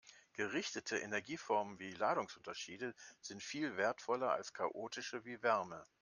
Gerichtete Energieformen wie Ladungsunterschiede sind viel wertvoller als chaotische wie Wärme.